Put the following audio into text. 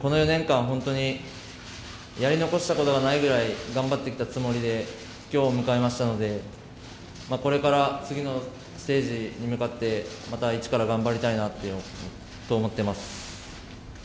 この４年間、本当にやり残したことがないぐらい頑張ってきたつもりで今日を迎えましたので、これから次のステージに向かってまた一から頑張りたいと思っています。